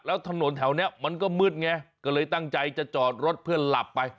แล้วถนนแถวนี้มันก็มืดไงก็เลยตั้งใจจะจอดรถเพื่อหลับไป